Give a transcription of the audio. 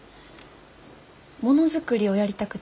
ものづくりをやりたくて。